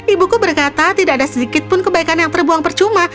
ibuku berkata tidak ada sedikitpun kebaikan yang terbuang percuma